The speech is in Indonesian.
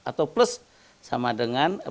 atau plus sama dengan